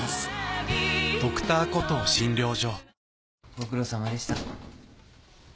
ご苦労さまでした。